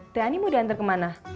teani mau diantar kemana